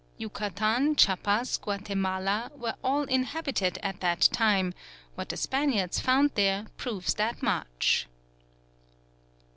Yucatan, Chiapas, Guatemala, were all inhabited at that time: what the Spaniards found there proves that much.